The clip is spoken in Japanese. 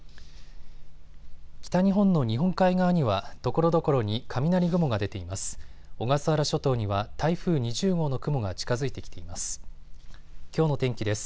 北日本の日本海側にはところどころに雷雲が出ています。